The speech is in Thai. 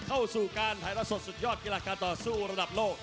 เข้าสู่การถ่ายละสดสุดยอดกีฬาการต่อสู้ระดับโลก